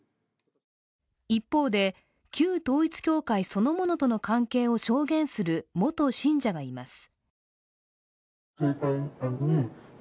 一方で、旧統一教会そのものとの関係を証言する元信者がいます。